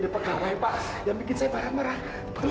dan saya yakin banget fer